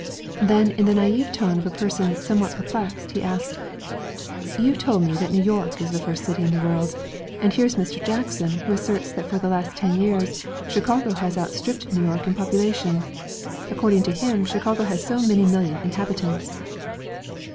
Then in the naïve tone of a person, somewhat perplexed, he asked: "You told me that New York is the first city in the world. And here is Mr. Jackson who asserts that for the last ten years Chicago has outstripped New York in population. According to him Chicago has so many million inhabitants."